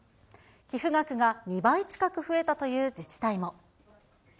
寄付額が２倍近く増えたという自治体も。